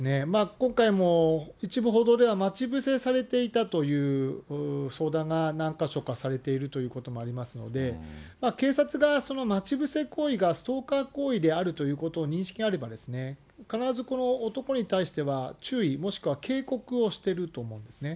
今回も一部報道では待ち伏せされていたという相談が何か所かされているということもありますので、警察が待ち伏せ行為がストーカー行為であるという認識があれば、必ずこの男に対しては、注意、もしくは警告をしていると思うんですね。